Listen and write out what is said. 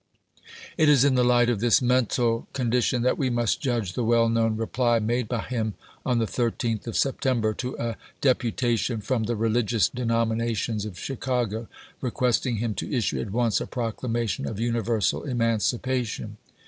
It is in the light of this mental con EMANCIPATION ANNOUNCED 155 dition that we must judge the well known reply chap.viii. made by him on the 13th of September to a depu 1862. tation from the religious denominations of Chicago, requesting him to issue at once a proclamation of universal emancipation.